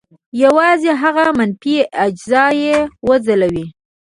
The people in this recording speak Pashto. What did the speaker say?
یوازې هغه منفي اجزا یې وځلوي.